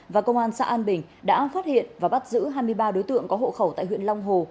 và công an xã an bình đã phát hiện và bắt giữ hai mươi ba đối tượng có hộ khẩu tại huyện long hồ